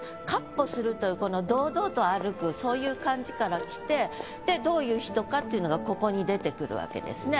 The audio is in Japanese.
闊歩するというこの堂々と歩くそういう感じからきてでどういう人かっていうのがここに出てくるわけですね。